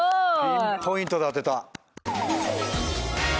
ピンポイントで当てた。